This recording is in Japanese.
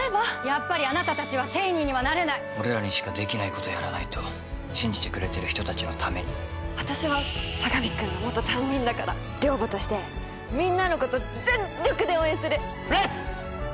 ・やっぱりあなたたちはＣＨＡＹＮＥＹにはなれない俺らにしかできないことやらないと信じてくれてる人たちのために私は佐神君の元担任だから寮母としてみんなのこと全力で応援する！